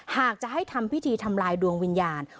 หากจะให้ทำพิธีทำลายดวงวิญญาณ